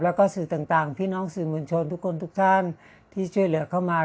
แล้วก็สื่อต่างพี่น้องสื่อมวลชนทุกคนทุกท่านที่ช่วยเหลือเข้ามา